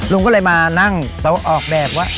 ลุงก็เลยมานั่งแต่ว่าออกแบบว่า